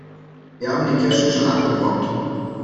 Wir haben die Kirschen schon abgebrockt.